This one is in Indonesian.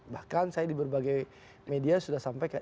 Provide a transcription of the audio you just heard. bahkan saya di berbagai media sudah sampaikan